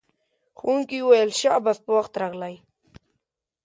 ښوونکی وویل شاباس په وخت راغلئ.